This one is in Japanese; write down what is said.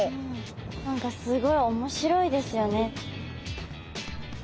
何かすごい面白いですよね。